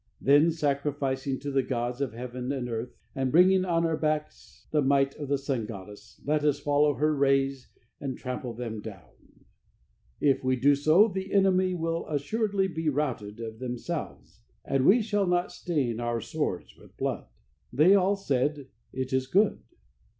Then, sacrificing to the gods of heaven and earth, and bringing on our backs the might of the sun goddess, let us follow her rays and trample them down. If we do so, the enemy will assuredly be routed of themselves, and we shall not stain our swords with blood." They all said: "It is good."